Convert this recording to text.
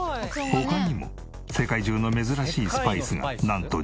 他にも世界中の珍しいスパイスがなんと２５種類。